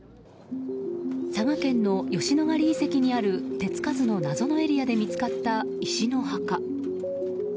佐賀県の吉野ヶ里遺跡にある手つかずの謎のエリアで見つかった石の墓。